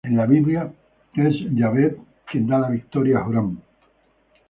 En la Biblia, es Yahveh quien da la victoria a Joram.